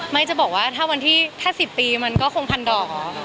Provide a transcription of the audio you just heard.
จะบอกว่าถ้าวันที่ถ้า๑๐ปีมันก็คงพันดอก